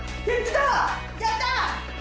やった！